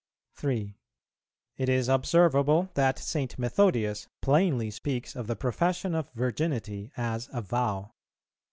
3. It is observable that St. Methodius plainly speaks of the profession of Virginity as a vow.